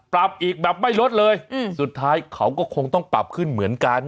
ปรับอีกแบบไม่ลดเลยสุดท้ายเขาก็คงต้องปรับขึ้นเหมือนกัน